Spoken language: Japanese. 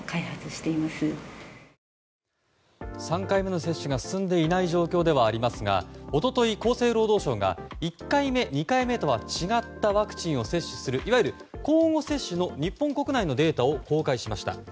３回目の接種が進んでいない状況ではありますが一昨日、厚生労働省が１回目、２回目とは違ったワクチンを接種するいわゆる交互接種の日本国内のデータを公開しました。